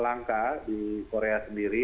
langka di korea sendiri